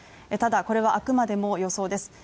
ただこれはあくまでも予想です。